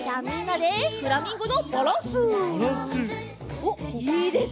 おっいいですね！